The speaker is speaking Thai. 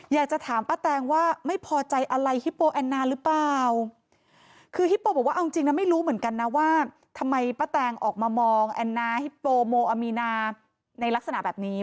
อยากจะถามป้าแตงว่าไม่พอใจอะไรฮิปโปแอนนาหรือเปล่า